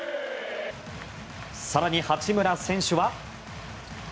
更に、八村選手は。